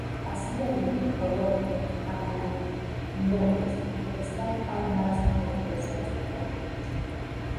Así Berlín, Colonia, Hamburgo, Múnich, están a un máximo de tres horas de viaje.